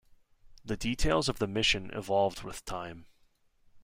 The details of the mission evolved with time.